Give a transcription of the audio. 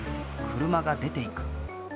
車が出ていく。